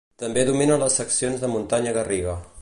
També domina les seccions de muntanya garriga.